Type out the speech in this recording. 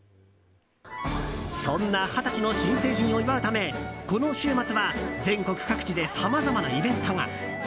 そんな二十歳の新成人を祝うためこの週末は全国各地でさまざまなイベントが。